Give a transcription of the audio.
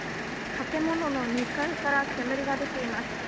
建物の２階から煙が出ています。